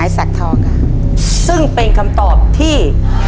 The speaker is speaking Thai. ซึ่งเป็นคำตอบที่